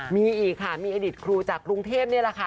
มีอีกค่ะมีอดีตครูจากกรุงเทพนี่แหละค่ะ